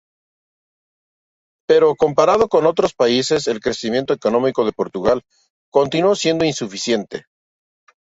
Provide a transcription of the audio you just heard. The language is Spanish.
Pero, comparado con otros países, el crecimiento económico de Portugal continuó siendo insuficiente.